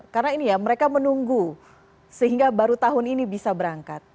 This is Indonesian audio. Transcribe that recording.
karena ini ya mereka menunggu sehingga baru tahun ini bisa berangkat